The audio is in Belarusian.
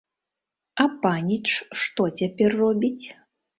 А паніч што цяпер робіць?